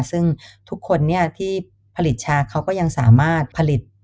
ซึ่งทุกคนที่ผลิตชาเขาก็ยังสามารถผลิต